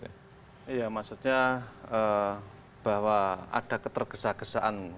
iya maksudnya bahwa ada keterkesaan kesaan